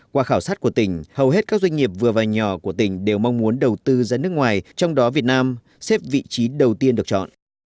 qua khảo sát của tỉnh hầu hết các doanh nghiệp vừa và nhỏ của tỉnh đều mong muốn đầu tư ra nước ngoài trong đó việt nam xếp vị trí đầu tiên được chọn